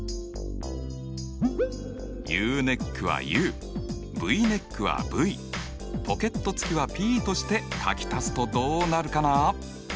ＵネックはＵＶネックはＶポケットつきはＰとして書き足すとどうなるかな？